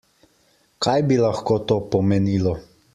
Kaj bi lahko to pomenilo?